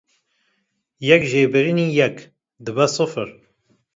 yek jêbirinî yek dibe sifir